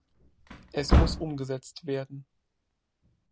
Es muss umgesetzt werden.